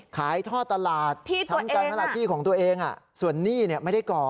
ขายท่อตลาดที่ตัวเองส่วนนี่เนี่ยไม่ได้ก่อ